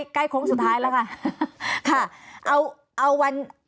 ใกล้โค้งสุดท้ายแล้วค่ะ